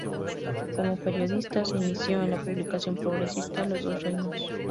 Como periodista, se inició en la publicación progresista "Los Dos Reinos".